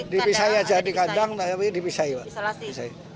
dipisahi aja di kandang tapi dipisahi pak